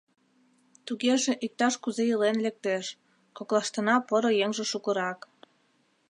Тугеже иктаж-кузе илен лектеш, коклаштына поро еҥже шукырак...